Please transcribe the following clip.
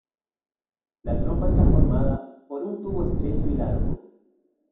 La trompa está formada por un tubo estrecho y largo.